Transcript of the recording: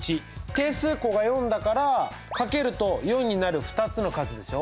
定数項が４だからかけると４になる２つの数でしょ。